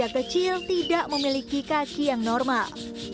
anak kecil tidak memiliki kaki yang normal